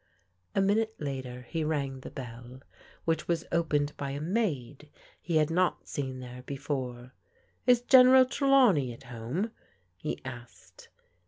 A minute later he rang the bell, which was opened by a maid he had not seen there before. " Is General Trelawney at home? " he asked.